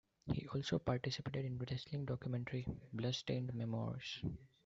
He also participated in the wrestling documentary, "Bloodstained Memoirs".